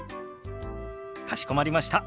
かしこまりました。